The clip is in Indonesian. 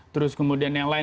terus kemudian yang lain